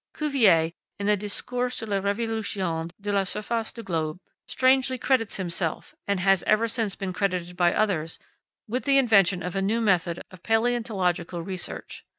Cuvier, in the "Discours sur les Revolutions de la Surface du Globe," strangely credits himself, and has ever since been credited by others, with the invention of a new method of palaeontological research.